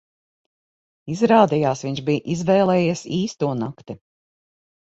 Izrādījās, viņš bija izvēlējies īsto nakti.